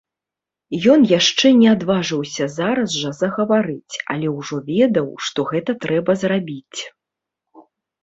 Ён яшчэ не адважыўся зараз жа загаварыць, але ўжо ведаў, што гэта трэба зрабіць.